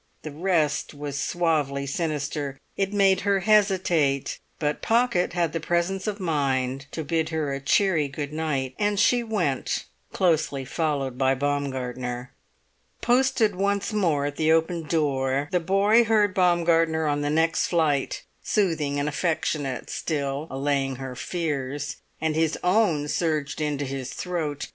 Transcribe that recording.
The rest was suavely sinister; it made her hesitate; but Pocket had the presence of mind to bid her a cheery good night, and she went, closely followed by Baumgartner. Posted once more at the open door, the boy heard Baumgartner on the next flight, soothing and affectionate still, allaying her fears; and his own surged into his throat.